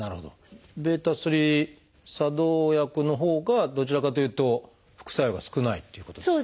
β作動薬のほうがどちらかというと副作用が少ないっていうことですか？